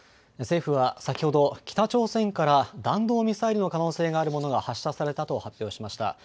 政府は先ほど北朝鮮から弾道ミサイルの可能性があるものが発射されたと発表しました。